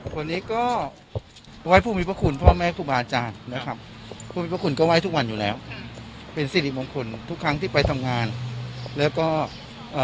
ตอนนี้ก็หว่ายภูมิพระขุนพ่อแม่ภูมิอาจารย์นะครับภูมิพระขุนก็หว่ายทุกวันอยู่แล้วเป็นสิริมงคลทุกครั้งที่ไปทำงานแล้วก็เอ่อ